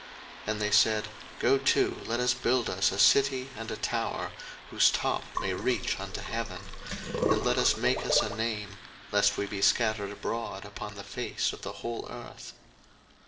01:011:004 And they said, Go to, let us build us a city and a tower, whose top may reach unto heaven; and let us make us a name, lest we be scattered abroad upon the face of the whole earth.